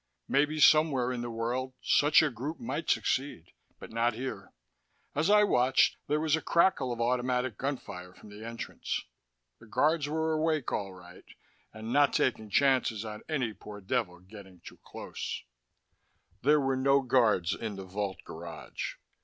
Maybe somewhere in the world, such a group might succeed. But not here. As I watched, there was a crackle of automatic gunfire from the entrance. The guards were awake, all right, and not taking chances on any poor devil getting too close. There were no guards in the vault garage.